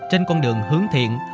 trên con đường hướng thiện